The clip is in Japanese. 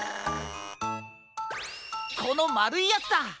このまるいヤツだ！